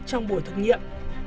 trong buổi thực nghiệm